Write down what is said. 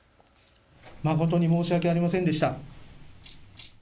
誠に申し訳ありませんでした。